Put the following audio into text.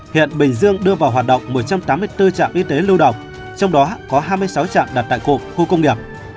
hiện bình dương đưa vào hoạt động một trăm tám mươi bốn trạm y tế lưu động trong đó có hai mươi sáu trạm đặt tại cụm khu công nghiệp